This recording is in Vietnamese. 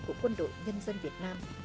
của quân đội nhân dân việt nam